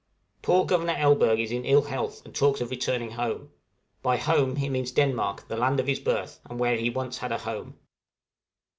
Poor Governor Elberg is in ill health, and talks of returning home by home he means Denmark, the land of his birth, and where once he had a home.